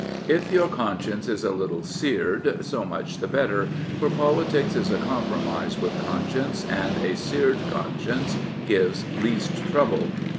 If your conscience is a little seared", s6 much ihe better, for politics is a compromise with conscience, and a seared conscience gives least trouble.